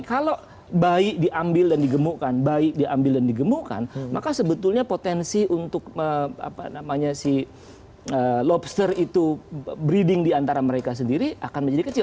kalau baik diambil dan digemukkan baik diambil dan digemukkan maka sebetulnya potensi untuk si lobster itu breeding diantara mereka sendiri akan menjadi kecil